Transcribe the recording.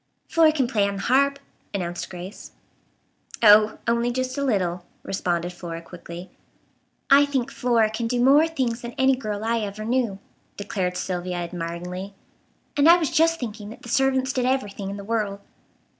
"Flora can play on the harp," announced Grace. "Oh, only just a little," responded Flora quickly. "I think Flora can do more things than any girl I ever knew," declared Sylvia admiringly; "and I was just thinking that the servants did everything in the world."